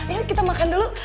yaudah kita makan dulu